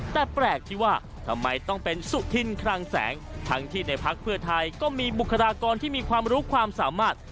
แต่แปลกที่ว่าทำไมต้องเป็นสุธินคลังแสงทั้งที่ในพักเพื่อไทยก็มีบุคลากรที่มีความรู้ความสามารถ